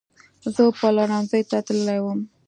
زه پلورنځۍ ته تللې وم